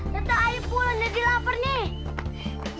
teta ayo pulang jadi lapar nih